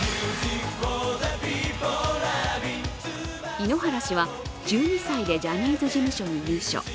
井ノ原氏は１２歳でジャニーズ事務所に入所。